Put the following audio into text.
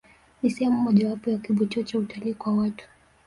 Ni sehemu mojawapo ya kivutio Cha utalii kwa watu